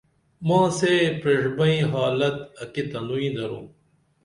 ماں سے پریݜ بئیں حالت اکی تنوئی درو